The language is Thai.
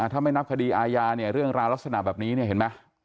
ถ้าไม่นับคดีอาญาเนี่ยเรื่องราวลักษณะแบบนี้เนี่ยเห็นไหม